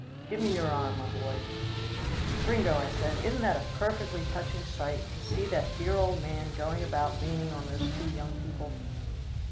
Give me your arm, my boy." "Gringo," I said, "isn't that a perfectly touching sight, to see that dear old man going about leaning on those two young people?"